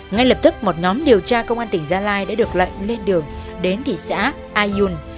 ngay lập tức một nhóm điều tra công an tỉnh gia lai đã được lệnh lên đường đến thị xã ayun